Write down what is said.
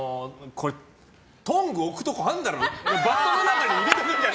トングを置くところあるだろ！